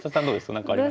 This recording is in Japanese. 何かあります？